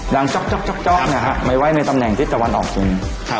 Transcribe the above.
ดังจ๊อกนะครับไว้ในตำแหน่งทิศตะวันออกเฉียง